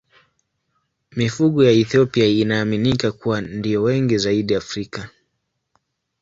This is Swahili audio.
Mifugo ya Ethiopia inaaminika kuwa ndiyo wengi zaidi Afrika.